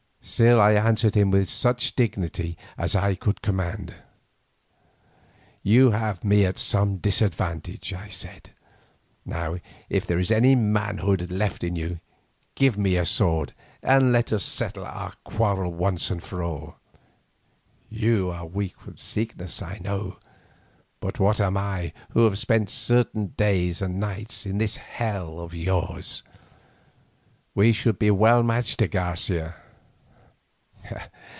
Still I answered him with such dignity as I could command. "You have me at some disadvantage," I said. "Now if there is any manhood left in you, give me a sword and let us settle our quarrel once and for all. You are weak from sickness I know, but what am I who have spent certain days and nights in this hell of yours. We should be well matched, de Garcia."